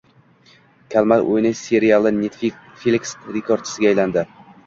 Kalmar o‘yini seriali Netflix rekordchisiga aylandi